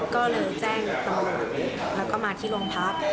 ก็เลยแจ้งตำรวจแล้วก็มาที่โรงพัก